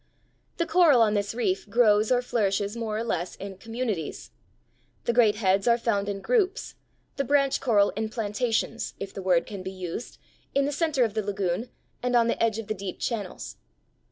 The coral on this reef grows or flourishes more or less in communities. The great heads are found in groups, the branch coral in plantations, if the word can be used, in the center of the lagoon and on the edge of the deep channels.